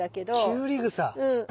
キュウリグサ。